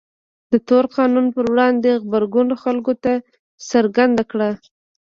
د تور قانون پر وړاندې غبرګون خلکو ته څرګنده کړه.